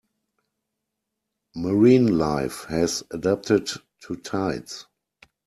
Marine life has adapted to tides.